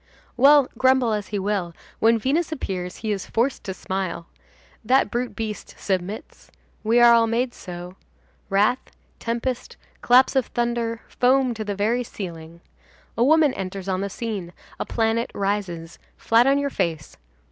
Well, grumble as he will, when Venus appears he is forced to smile. That brute beast submits. We are all made so. Wrath, tempest, claps of thunder, foam to the very ceiling. A woman enters on the scene, a planet rises; flat on your face!